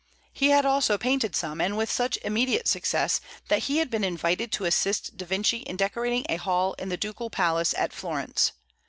He had also painted some, and with such immediate success that he had been invited to assist Da Vinci in decorating a hall in the ducal palace at Florence.